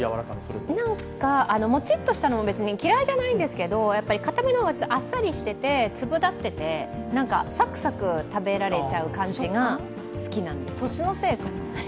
もちっとしたのも別に嫌いじゃないんですけど、かための方があっさりしてて粒だってて、サクサク食べられちゃう感じが好きなんです。